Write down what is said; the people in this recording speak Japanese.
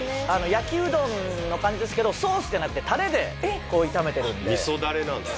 焼きうどんの感じですけどソースじゃなくてタレで炒めてるんで味噌ダレなんですよ